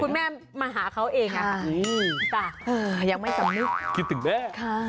แม่มาหาเขาเองอะค่ะยังไม่สำนึกคิดถึงแม่